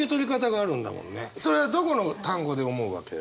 それはどこの単語で思うわけ？